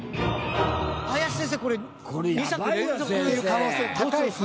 林先生これ２作連続。っていう可能性高いですね。